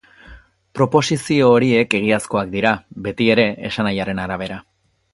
Proposizio horiek egiazkoak dira, beti ere, esanahiaren arabera.